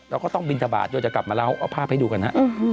เราก็ต้องบินทบาทโดยจะกลับมาเล่าเอาภาพให้ดูกันฮะ